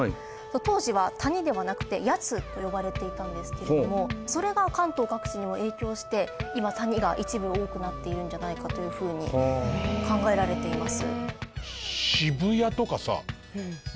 当時は「谷」ではなくて「やつ」と呼ばれていたんですけれどもそれが関東各地にも影響して今「谷」が一部多くなっているんじゃないかという風に考えられています。